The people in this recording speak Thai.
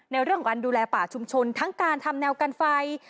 ในเรื่องของการดูแลป่าชุมชนทั้งการทำแนวกันไฟ